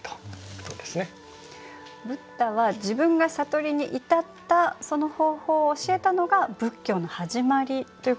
ブッダは自分が悟りに至ったその方法を教えたのが仏教の始まりということなんですね。